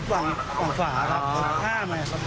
ฝั่งฝาครับข้ามฝั่งข้าม